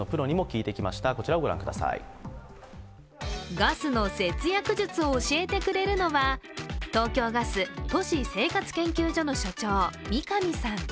ガスの節約術を教えてくれるのは東京ガス都市生活研究所の所長、三神さん。